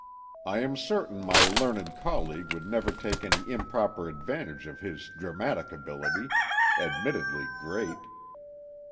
I am certain my learned colleague would never take any improper advantage of his dramatic ability, admittedly great.